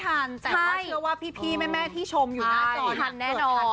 แต่ก็เชื่อว่าพี่แม่คุณผู้ชมอยู่หน้าจร